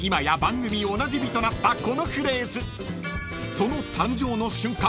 ［その誕生の瞬間